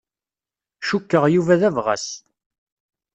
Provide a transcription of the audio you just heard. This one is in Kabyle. Cukkeɣ Yuba d abɣas.